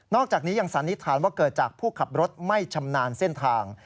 อกจากนี้ยังสันนิษฐานว่าเกิดจากผู้ขับรถไม่ชำนาญเส้นทาง